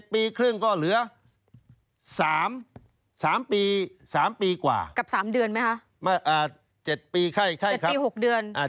ปีครึ่งก็เหลือ๓ปี๓ปีกว่ากับ๓เดือนไหมคะ๗ปีไข้๗ปี๖เดือน